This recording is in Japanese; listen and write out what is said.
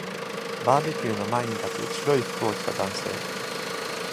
バーベキューの前に立つ白い服を着た男性